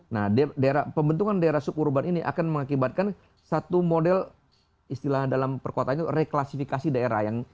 nah daerah pembentukan daerah suburban ini akan mengakibatkan satu model istilah dalam perkotanya re klasifikasi daerah yang